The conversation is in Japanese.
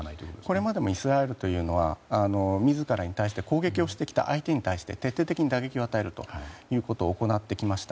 これまでもイスラエルというのは自らに対して攻撃をしてきた相手に対して徹底的に打撃を与えるということを行ってきました。